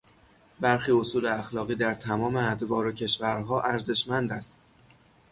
برخی اصول اخلاقی در تمام ادوار و کشورها ارزشمند است.